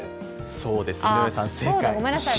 そうです、井上さん、正解。